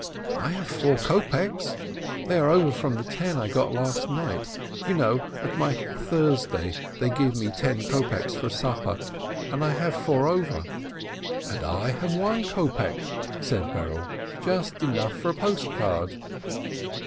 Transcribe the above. "I have four kopeks; they are over from the ten I got last night. You know, at my 'Thursday' they give me ten kopeks for supper, and I have four over. 402 KAISIN "And I have one kopek," said Berele, "just enough for a post card."